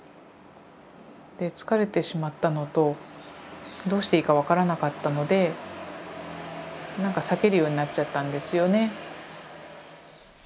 で疲れてしまったのとどうしていいか分からなかったのでなんか避けるようになっちゃったんですよね。